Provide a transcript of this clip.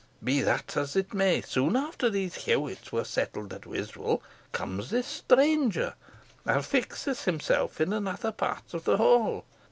Be that as it may, soon after these Hewits were settled at Wiswall, comes this stranger, and fixes himself in another part of the hall.